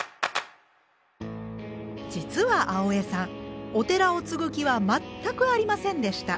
実は青江さんお寺を継ぐ気は全くありませんでした。